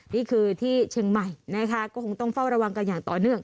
นี่คือที่เชียงใหม่นะคะก็คงต้องเฝ้าระวังกันอย่างต่อเนื่อง